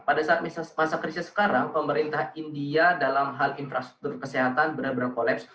pada saat masa krisis sekarang pemerintah india dalam hal infrastruktur kesehatan benar benar kolaps